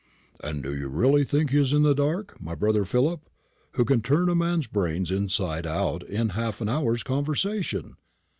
"And do you really think he is in the dark my brother Philip, who can turn a man's brains inside out in half an hour's conversation?